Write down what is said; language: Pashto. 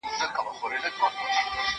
ما د سبا لپاره د نوي لغتونو يادونه کړې ده؟!